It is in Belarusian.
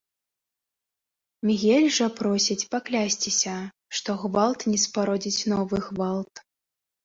Мігель жа просіць паклясціся, што гвалт не спародзіць новы гвалт.